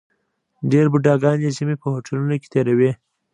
ډېر بوډاګان یې ژمی په هوټلونو کې تېروي.